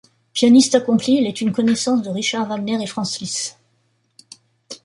Pianiste accomplie, elle est une connaissance de Richard Wagner et Frantz Lizst.